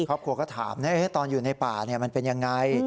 ครอบครัวก็ถามเนี่ยตอนอยู่ในป่าเนี่ยมันเป็นยังไง